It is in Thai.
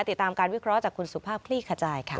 ติดตามการวิเคราะห์จากคุณสุภาพคลี่ขจายค่ะ